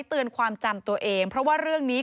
เตือนความจำตัวเองเพราะว่าเรื่องนี้